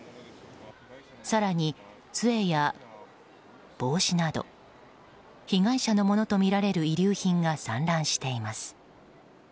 更に、杖や帽子など被害者のものとみられる遺留品が散乱しています。